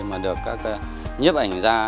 mà được các nhiếp ảnh ra